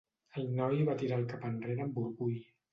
El noi va tirar el cap enrere amb orgull.